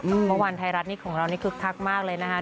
เพราะวันไทยรัฐนี้ของเรานี่คึกคักมากเลยนะคะ